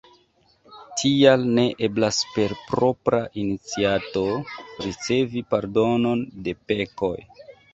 Tial ne eblas per propra iniciato ricevi pardonon de pekoj.